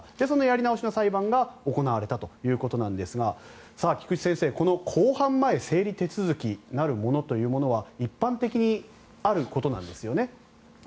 そのやり直しの裁判が行われたということなんですが菊地先生公判前整理手続きなるものというものは一般的にあることなんですよね？